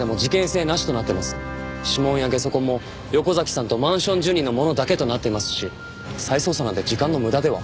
指紋やゲソ痕も横崎さんとマンション住人のものだけとなっていますし再捜査なんて時間の無駄では？